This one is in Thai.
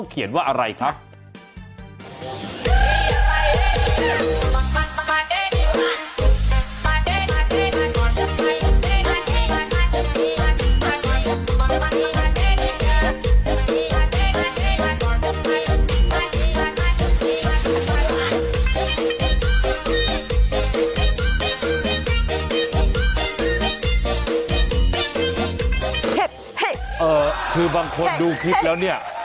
คือบางคนดูคลิปแล้วเนี่ย